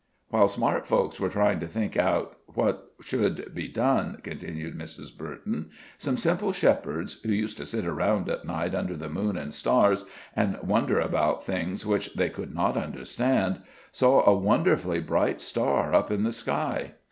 "While smart folks were trying to think out what should be done," continued Mrs. Burton, "some simple shepherds, who used to sit around at night under the moon and stars, and wonder about things which they could not understand, saw a wonderfully bright star up in the sky."